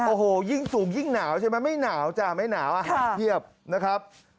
โอ้โหยิ่งสูงยิ่งหนาวใช่ไหมไม่หนาวจ้ะไม่หนาวอาหารเพียบนะครับ